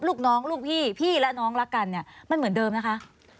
ลูกน้องลูกพี่พี่และน้องรักกันเนี่ยมันเหมือนเดิมนะคะ